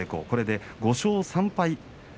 これで５勝３敗。